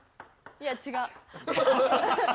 いや違う。